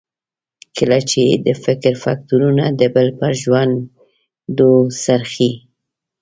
کله چې یې د فکر فکټورنه د بل پر ژرندو څرخي.